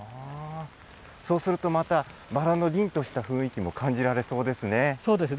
そうするとまた、バラの凛とした雰囲気も感じられそうですね。